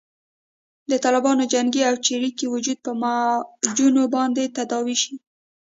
د طالبانو جنګي او چریکي وجود په معجونو باندې تداوي شي.